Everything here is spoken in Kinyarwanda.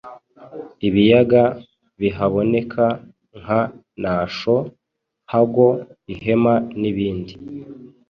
ibiyaga bihaboneka nka Nasho, Hago, Ihema n’ibindi.